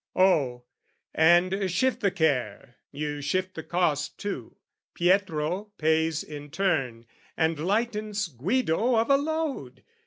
"Oh, and shift the care "You shift the cost, too; Pietro pays in turn, "And lightens Guido of a load!